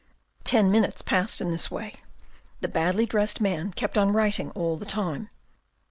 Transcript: Ten minutes passed in this way : the badly dressed man kept on writing all the time.